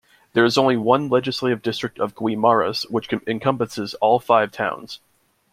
There is only one legislative district of Guimaras which encompasses all five towns.